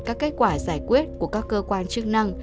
các kết quả giải quyết của các cơ quan chức năng